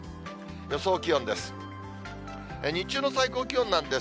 予想気温です。